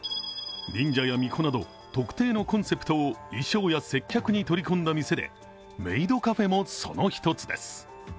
忍者や巫女など特定のコンセプトを衣装や接客に取り込んだ店でメイドカフェもその一つです。